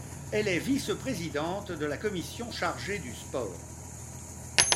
Elle est vice-présidente de la commission chargée du Sport.